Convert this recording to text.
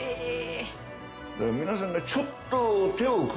皆さんが。